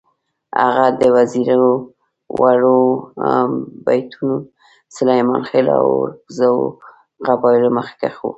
هغه د وزیرو، وړو بېټنیو، سلیمانخېلو او اورکزو قبایلو مخکښ وو.